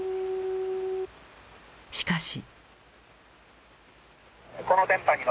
しかし。